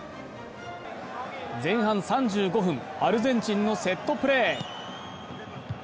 前半３５分、アルゼンチンのセットプレー。